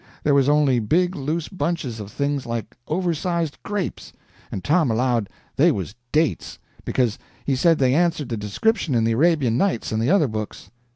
There was only big loose bunches of things like oversized grapes, and Tom allowed they was dates, because he said they answered the description in the Arabian Nights and the other books.